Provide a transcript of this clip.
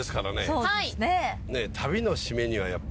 そうですね。わい！